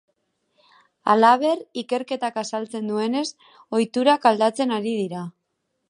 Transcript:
Halaber, ikerketak azaltzen duenez, ohiturak aldatzen ari dira.